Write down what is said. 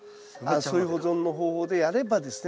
そういう保存の方法でやればですね